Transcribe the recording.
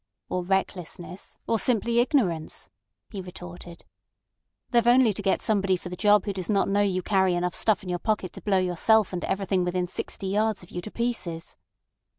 "Or recklessness—or simply ignorance," he retorted. "They've only to get somebody for the job who does not know you carry enough stuff in your pocket to blow yourself and everything within sixty yards of you to pieces."